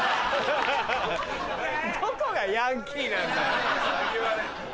どこがヤンキーなんだよ。